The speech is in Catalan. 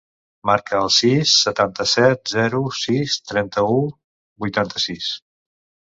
Marca el sis, setanta-set, zero, sis, trenta-u, vuitanta-sis.